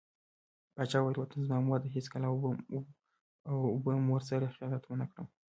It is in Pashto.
پاچا وويل: وطن زما مور دى هېڅکله او به مور سره خيانت ونه کړم .